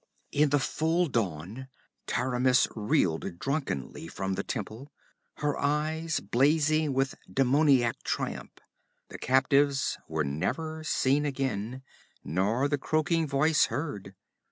'In the full dawn Taramis reeled drunkenly from the temple, her eyes blazing with demoniac triumph. The captives were never seen again, nor the croaking voice heard.